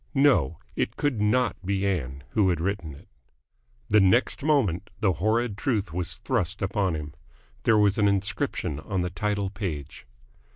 No, it could not be Ann who had written it. The next moment the horrid truth was thrust upon him. There was an inscription on the title page.